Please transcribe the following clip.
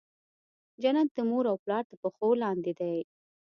جنت د مور او پلار تر پښو لاندي دی.